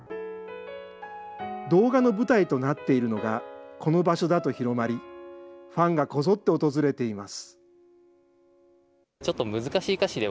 動画の舞台となっているのが、この場所だと広まり、ファンがこぞって訪れています。